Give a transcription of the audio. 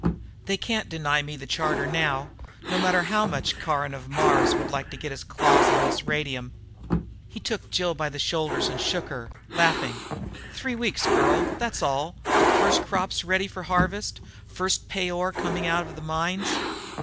They can't deny me the charter now. No matter how much Caron of Mars would like to get his claws on this radium." He took Jill by the shoulders and shook her, laughing. "Three weeks, girl, that's all. First crops ready for harvest, first pay ore coming out of the mines.